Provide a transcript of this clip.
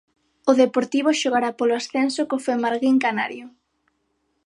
O Deportivo xogará polo ascenso co Femarguín canario.